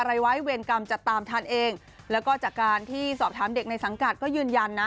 อะไรไว้เวรกรรมจะตามทันเองแล้วก็จากการที่สอบถามเด็กในสังกัดก็ยืนยันนะ